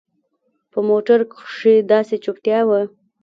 په موټر کښې داسې چوپتيا وه.